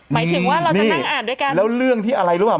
หมายถึงว่าเราจะนั่งอ่านด้วยกันแล้วเรื่องที่อะไรหรือเปล่า